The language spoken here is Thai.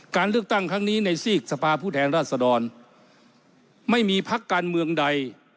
การเลือกตั้งครั้งนี้ในซีกสภาผู้แทนราชดรไม่มีพักการเมืองใด